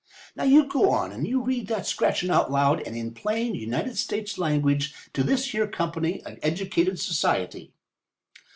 Now, you go on, and you read that scratchin' out loud and in plain United States language to this here company of educated society."